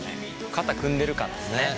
肩組んでる感ですね。